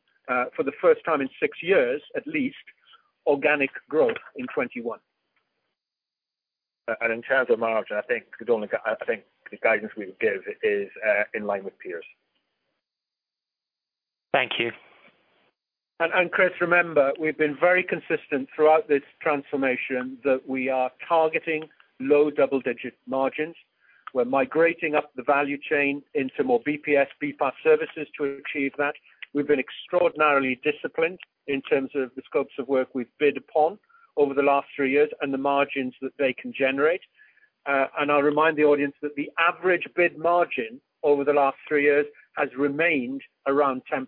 for the first time in six years, at least, organic growth in 2021. In terms of margin, I think the guidance we would give is in line with peers. Thank you. Chris, remember, we've been very consistent throughout this transformation that we are targeting low double-digit margins. We're migrating up the value chain into more BPS, BPaaS services to achieve that. We've been extraordinarily disciplined in terms of the scopes of work we've bid upon over the last three years and the margins that they can generate. I'll remind the audience that the average bid margin over the last three years has remained around 10%.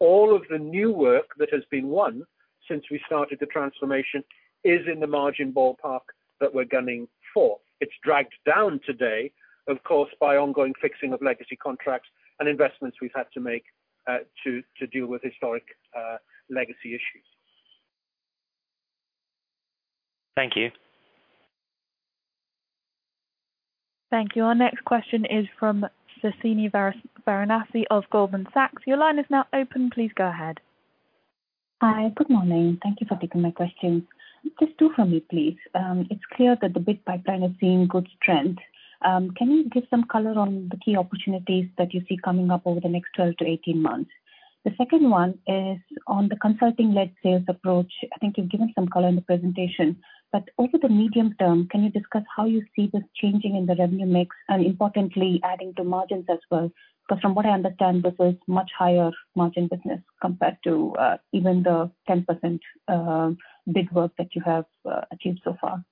All of the new work that has been won since we started the transformation is in the margin ballpark that we're gunning for. It's dragged down today, of course, by ongoing fixing of legacy contracts and investments we've had to make to deal with historic legacy issues. Thank you. Thank you. Our next question is from Suhasini Varanasi of Goldman Sachs. Your line is now open. Please go ahead. Hi. Good morning. Thank you for taking my question. Just two from me, please. It's clear that the bid pipeline is seeing good trend. Can you give some color on the key opportunities that you see coming up over the next 12 to 18 months? The second one is on the consulting-led sales approach. I think you've given some color in the presentation. Over the medium term, can you discuss how you see this changing in the revenue mix and importantly adding to margins as well? From what I understand, this is much higher margin business compared to even the 10% bid work that you have achieved so far.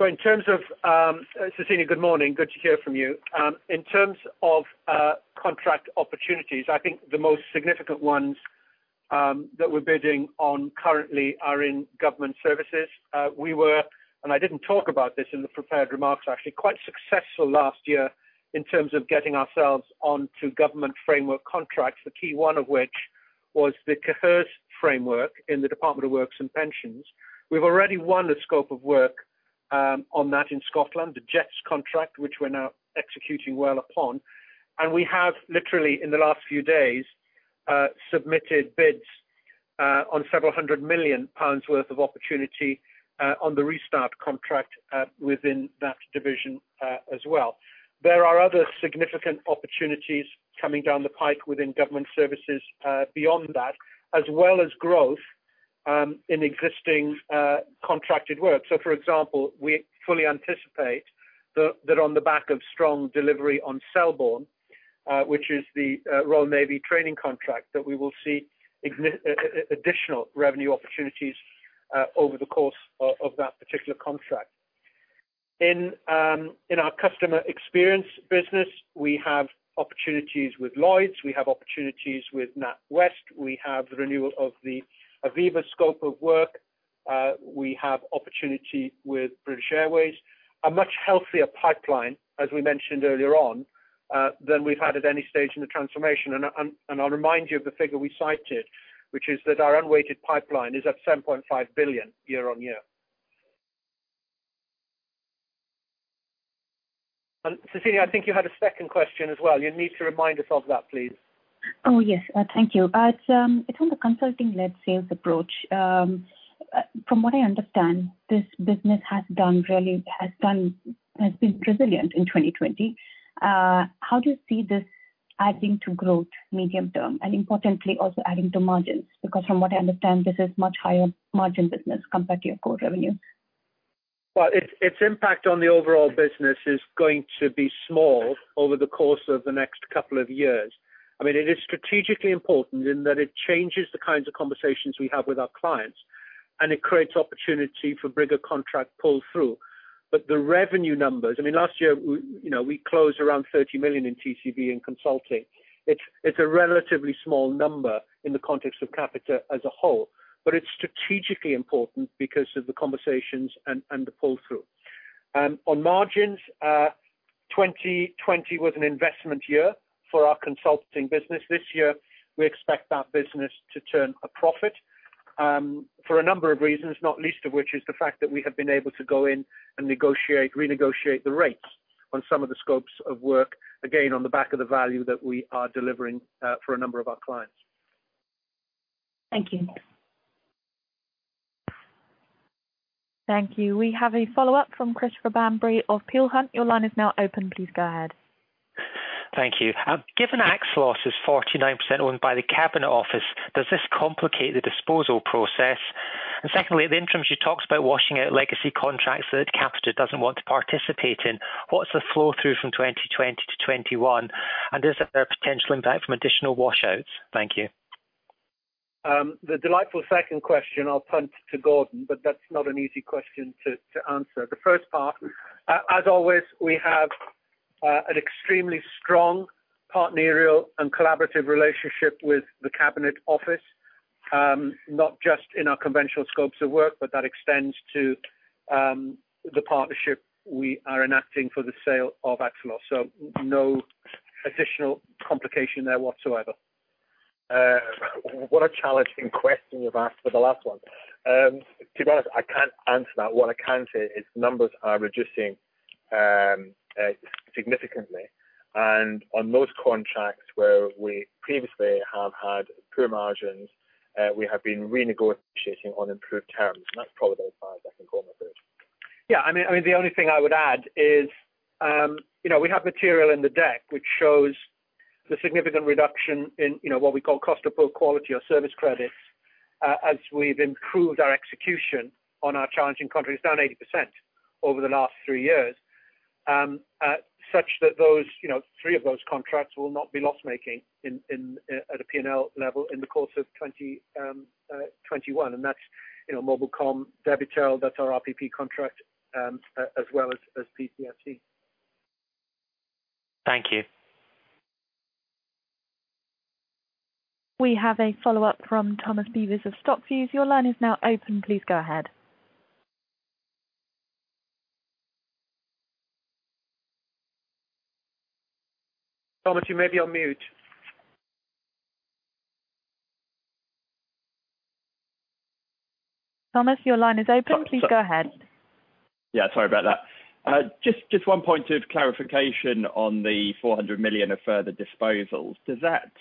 Suhasini, good morning. Good to hear from you. In terms of contract opportunities, I think the most significant ones that we're bidding on currently are in government services. We were, I didn't talk about this in the prepared remarks actually, quite successful last year in terms of getting ourselves onto government framework contracts, the key one of which was the CAEHRS framework in the Department for Work and Pensions. We've already won a scope of work on that in Scotland, the JETS contract, which we're now executing well upon. We have literally in the last few days, submitted bids on several hundred million GBP worth of opportunity on the Restart contract within that division as well. There are other significant opportunities coming down the pipe within government services beyond that, as well as growth in existing contracted work. For example, we fully anticipate that on the back of strong delivery on Selborne, which is the Royal Navy training contract, that we will see additional revenue opportunities over the course of that particular contract. In our customer experience business, we have opportunities with Lloyds, we have opportunities with NatWest. We have the renewal of the Aviva scope of work. We have opportunity with British Airways. A much healthier pipeline, as we mentioned earlier on, than we've had at any stage in the transformation. I'll remind you of the figure we cited, which is that our unweighted pipeline is up 7.5 billion year-on-year. Suhasini, I think you had a second question as well. You need to remind us of that, please. Oh, yes. Thank you. It's on the consulting-led sales approach. From what I understand, this business has been resilient in 2020. How do you see this adding to growth medium term and importantly also adding to margins? From what I understand, this is much higher margin business compared to your core revenue. Its impact on the overall business is going to be small over the course of the next couple of years. It is strategically important in that it changes the kinds of conversations we have with our clients, and it creates opportunity for bigger contract pull-through. The revenue numbers-- Last year, we closed around 30 million in TCV in consulting. It's a relatively small number in the context of Capita as a whole, but it's strategically important because of the conversations and the pull-through. On margins, 2020 was an investment year for our consulting business. This year, we expect that business to turn a profit for a number of reasons, not least of which is the fact that we have been able to go in and renegotiate the rates on some of the scopes of work, again, on the back of the value that we are delivering for a number of our clients. Thank you. Thank you. We have a follow-up from Christopher Bamberry of Peel Hunt. Your line is now open. Please go ahead. Thank you. Given Axelos is 49% owned by the Cabinet Office, does this complicate the disposal process? Secondly, at the interim, she talks about washing out legacy contracts that Capita doesn't want to participate in. What's the flow-through from 2020 to 2021, and is there a potential impact from additional washouts? Thank you. The delightful second question I'll punt to Gordon, that's not an easy question to answer. The first part, as always, we have an extremely strong partnering and collaborative relationship with the Cabinet Office, not just in our conventional scopes of work, but that extends to the partnership we are enacting for the sale of Axelos. No additional complication there whatsoever. What a challenging question you've asked for the last one. To be honest, I can't answer that. What I can say is numbers are reducing Significantly. On those contracts where we previously have had poor margins, we have been renegotiating on improved terms. That's probably as far as I can go on that, Chris. Yeah. The only thing I would add is we have material in the deck which shows the significant reduction in what we call cost of poor quality or service credits as we've improved our execution on our challenging contracts, down 80% over the last three years, such that three of those contracts will not be loss-making at a P&L level in the course of 2021. That's Mobilcom-Debitel, that's our RPP contract, as well as PCSE. Thank you. We have a follow-up from Tom Beevers of StockViews. Your line is now open. Please go ahead. Thomas, you may be on mute. Thomas, your line is open. Please go ahead. Yeah, sorry about that. Just one point of clarification on the 400 million of further disposals. Does that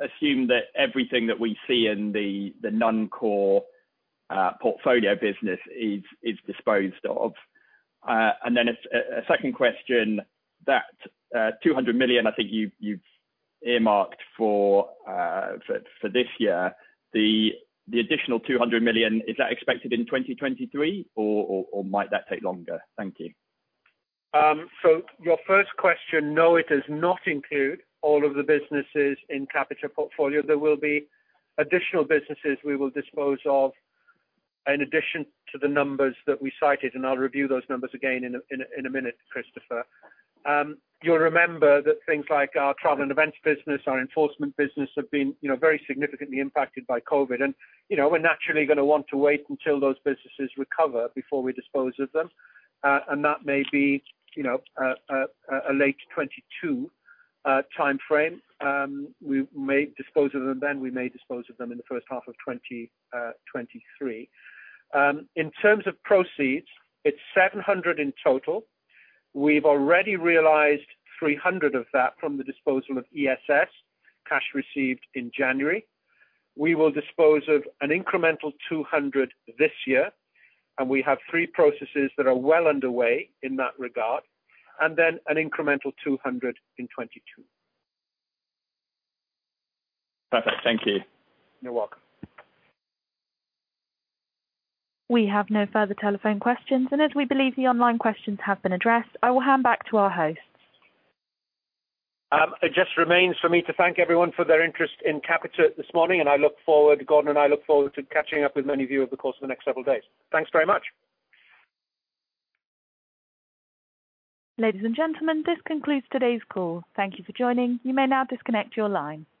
assume that everything that we see in the non-core portfolio business is disposed of? A second question, that 200 million I think you've earmarked for this year, the additional 200 million, is that expected in 2023 or might that take longer? Thank you. Your first question, no, it does not include all of the businesses in Capita portfolio. There will be additional businesses we will dispose of in addition to the numbers that we cited, and I'll review those numbers again in a minute, Christopher Bamberry. You'll remember that things like our travel and events business, our enforcement business, have been very significantly impacted by COVID. We're naturally going to want to wait until those businesses recover before we dispose of them. That may be a late 2022 timeframe. We may dispose of them then, we may dispose of them in the first half of 2023. In terms of proceeds, it's 700 in total. We've already realized 300 of that from the disposal of ESS, cash received in January. We will dispose of an incremental 200 this year, and we have three processes that are well underway in that regard, and then an incremental 200 in 2022. Perfect. Thank you. You're welcome. We have no further telephone questions, and as we believe the online questions have been addressed, I will hand back to our hosts. It just remains for me to thank everyone for their interest in Capita this morning. Gordon and I look forward to catching up with many of you over the course of the next several days. Thanks very much. Ladies and gentlemen, this concludes today's call. Thank you for joining. You may now disconnect your line.